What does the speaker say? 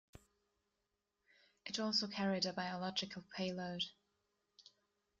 It also carried a biological payload.